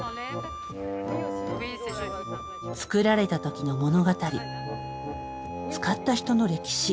作られた時の物語使った人の歴史